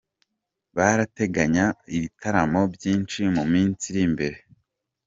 Barateganya ibitaramo byinshi mu minsi iri imbere.